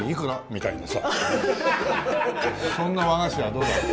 みたいなさそんな和菓子はどうだろう？